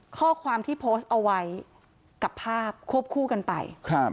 ข้อความที่โพสต์เอาไว้กับภาพควบคู่กันไป